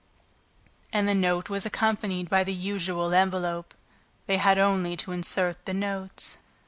And the note was accompanied by the usual envelope. They had only to insert the notes.